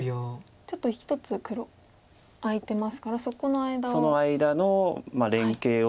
ちょっと１つ黒空いてますからそこの間を。